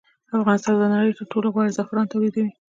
افغانستان د نړۍ تر ټولو غوره زعفران تولیدوي